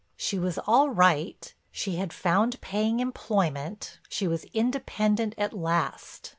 She was all right, she had found paying employment, she was independent at last.